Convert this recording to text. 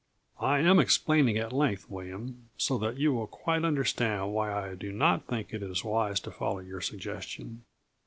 "I am explaining at length, William, so that you will quite understand why I do not think it wise to follow your suggestion.